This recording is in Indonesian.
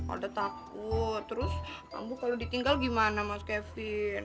ada takut terus kamu kalau ditinggal gimana mas kevin